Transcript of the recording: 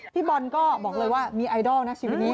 พี่บอลก็บอกเลยว่ามีไอดอลนะชีวิตนี้